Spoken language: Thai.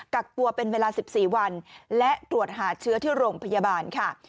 กักตัวเป็นเวลา๑๔วันและตรวจหาเชื้อที่โรงพยาบาลค่ะ